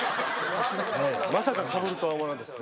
まさかかぶるとは思わなかったですね。